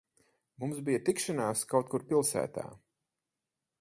Mums bija tikšanās kaut kur pilsētā.